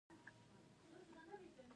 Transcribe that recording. آیا د مالګې فابریکې ایوډین اچوي؟